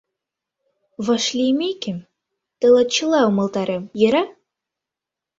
Вашлиймекем, тылат чыла умылтарем, йӧра?